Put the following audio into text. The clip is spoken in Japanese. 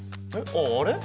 あああれ？